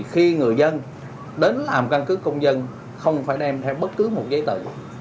khi người dân đến làm căn cứ công dân không phải đem theo bất cứ một giấy tờ